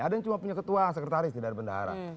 ada yang cuma punya ketua sekretaris di daerah bendahara